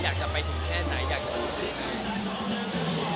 อยากจะไปถึงแค่ไหนอยากจะมาดูเรื่องงาน